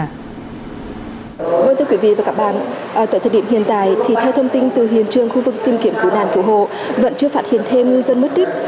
vâng thưa quý vị và các bạn tại thời điểm hiện tại thì theo thông tin từ hiện trường khu vực tìm kiếm cứu nàn cứu hồ vẫn chưa phát hiện thêm ngư dân mất tích